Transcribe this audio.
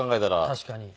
確かに。